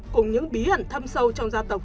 cùng những bí ẩn thâm sâu trong gia tộc